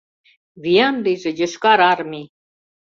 Виян лийже Йошкар Армий!